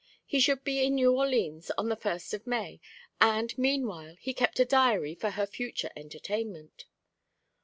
He should be in New Orleans on the first of May, and, meanwhile, he kept a diary for her future entertainment.